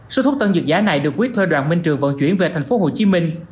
số thuốc tân dược giá này được quyết thuê đoàn minh triều vận chuyển về thành phố hồ chí minh